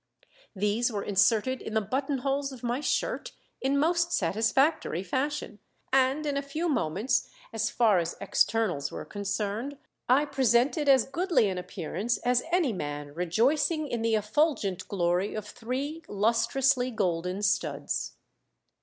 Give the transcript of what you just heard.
These were inserted in the buttonholes of my shirt in most satisfactory fashion, and in a few moments as far as externals were concerned I presented as goodly an appearance as any man rejoicing in the effulgent glory of three lustrously golden studs.